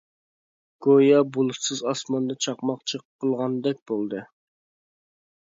گويا بۇلۇتسىز ئاسماندا چاقماق چېقىلغاندەك بولدى.